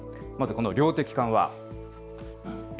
まずこの量的緩和。